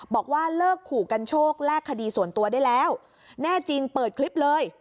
บอกว่าเลิกขู่กันโชคแลกคดีส่วนตัวได้แล้วแน่จริงเปิดคลิปเลย